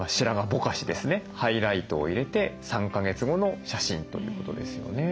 ハイライトを入れて３か月後の写真ということですよね。